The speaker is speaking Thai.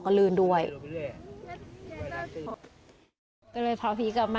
อายุ๖ขวบซึ่งตอนนั้นเนี่ยเป็นพี่ชายมารอเอาน้องกั๊กนะคะ